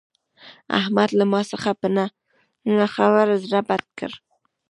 احمد له ما څخه په نه خبره زړه بد کړ.